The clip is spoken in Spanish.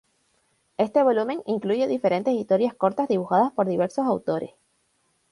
Este volumen incluye diferentes historias cortas dibujadas por diversos autores.